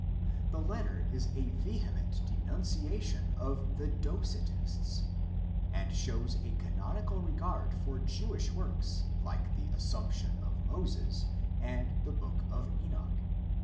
The letter is a vehement denunciation of the Docetists and shows a canonical regard for Jewish works like the Assumption of Moses and the Book of Enoch.